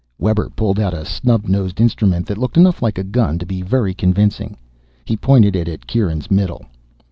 Webber pulled out a snub nosed instrument that looked enough like a gun to be very convincing. He pointed it at Kieran's middle.